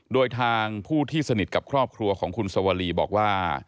โดยทางผู้ที่สนิทกับครอบครัวของคุณสวรีบอกว่า